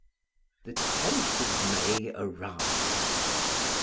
The tenth of May arrived.